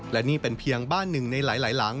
และนี่เป็นเพียงบ้านหนึ่งในหลายหลัง